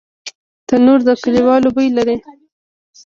تنور د کلیوالو بوی لري